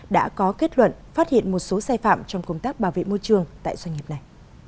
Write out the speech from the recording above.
đã có kết luận phát hiện một số sai phạm trong công tác bảo vệ môi trường tại doanh nghiệp này